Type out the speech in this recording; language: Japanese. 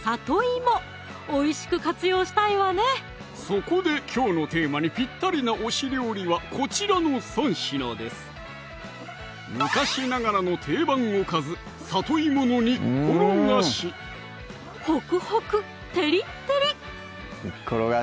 そこできょうのテーマにぴったりな推し料理はこちらの３品です昔ながらの定番おかずほくほくてりってり！